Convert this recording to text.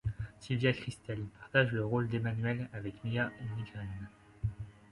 Sylvia Kristel partage le rôle d'Emmanuelle avec Mia Nygren.